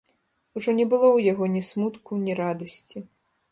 Ужо не было ў яго ні смутку, ні радасці.